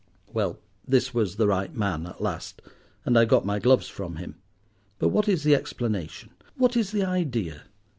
"Well, this was the right man at last, and I got my gloves from him. But what is the explanation—what is the idea?